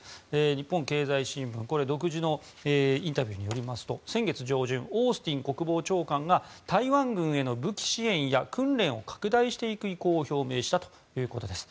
日本経済新聞独自のインタビューによりますと先月上旬オースティン国防長官が台湾軍への武器支援や訓練を拡大していく意向を表明したということです。